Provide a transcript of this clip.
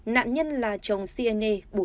nạn nhân là chồng siene